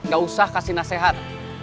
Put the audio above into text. gak usah kasih nasihat